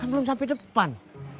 kamu belum sampai depan